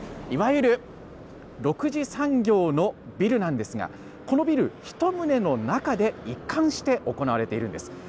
いわゆる６次産業のビルなんですが、このビル１棟の中で一貫して行われているんです。